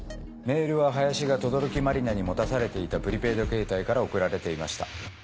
メールは林が等々力茉莉奈に持たされていたプリペイドケータイから送られていました。